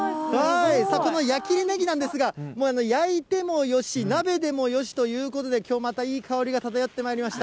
この矢切ねぎなんですが、焼いてもよし、鍋でもよしということで、きょうまたいい香りが漂ってまいりました。